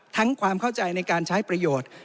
ความเข้าใจในการใช้ประโยชน์